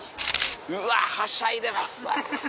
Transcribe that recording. うわはしゃいでますわ。